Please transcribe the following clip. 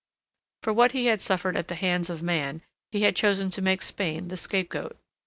For what he had suffered at the hands of Man he had chosen to make Spain the scapegoat.